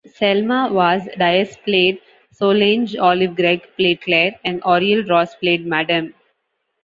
Selma Vaz Dias played Solange, Olive Gregg played Claire, and Oriel Ross played Madame.